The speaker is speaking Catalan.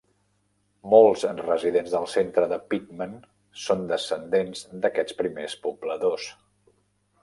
Molts residents del centre de Pittman són descendents d'aquests primers pobladors.